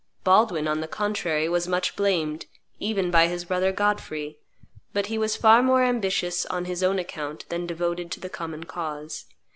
Baldwin, on the contrary, was much blamed, even by his brother Godfrey; but he was far more ambitious on his own account than devoted to the common cause.